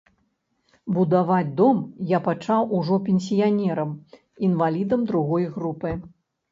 Будаваць дом я пачаў ужо пенсіянерам, інвалідам другой групы.